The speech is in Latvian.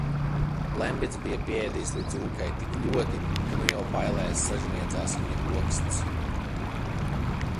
Lembits bija pieēdies līdz ūkai tik ļoti, ka nu jau bailēs sažmiedzās viņa oksts.